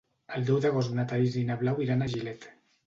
El deu d'agost na Thaís i na Blau iran a Gilet.